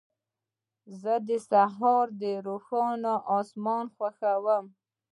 زه د سهار روښانه اسمان خوښوم.